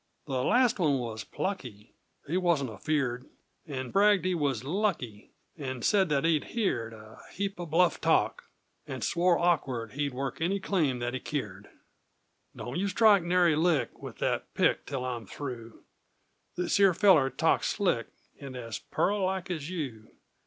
The last one was plucky He wasn't afeerd, And bragged he was "lucky," And said that "he'd heerd A heep of bluff talk," and swore awkard He'd work any claim that he keered! Don't you strike nary lick With that pick till I'm through; This here feller talked slick And as peart like as you!